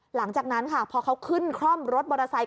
หลังจากนั้นค่ะพอเขาขึ้นคร่อมรถมอเตอร์ไซค